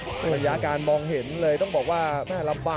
กระโดยสิ้งเล็กนี่ออกกันขาสันเหมือนกันครับ